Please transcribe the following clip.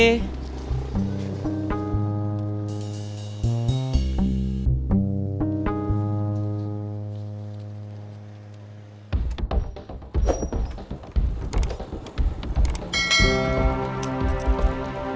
kita mau ke r saisam kan